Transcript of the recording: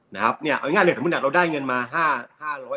นะครับเนี้ยเอาง่ายเลยถ้าเมื่อหนักเราได้เงินมาห้าห้าร้อย